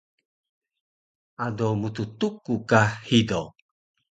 ado mttuku ka hido